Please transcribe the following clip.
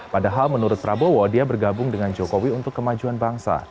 padahal menurut prabowo dia bergabung dengan jokowi untuk kemajuan bangsa